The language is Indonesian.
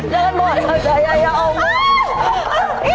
jangan bawa anak saya ya allah